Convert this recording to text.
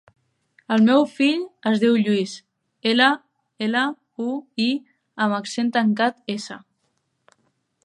El meu fill es diu Lluís: ela, ela, u, i amb accent tancat, essa.